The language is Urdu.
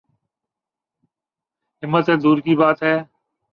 ہمت تو دور کی بات ہے۔